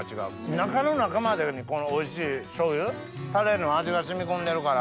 中の中までこのおいしい醤油タレの味が染み込んでるから。